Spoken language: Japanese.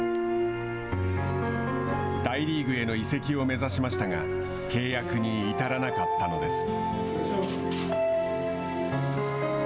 大リーグへの移籍を目指しましたが契約に至らなかったのです。